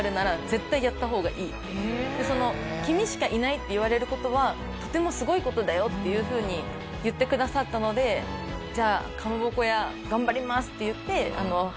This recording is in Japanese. その君しかいないって言われる事はとてもすごい事だよっていう風に言ってくださったので「じゃあかまぼこ屋頑張ります！」って言って。